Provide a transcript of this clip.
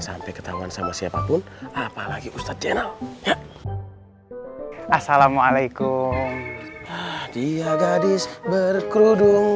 sampai ketahuan sama siapapun apalagi ustadz jalal ya assalamualaikum dia gadis berkudung